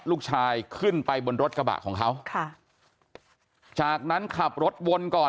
ลูกชายขึ้นไปบนรถกระบะของเขาค่ะจากนั้นขับรถวนก่อน